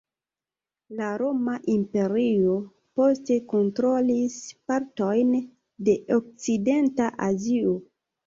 La Roma Imperio poste kontrolis partojn de Okcidenta Azio.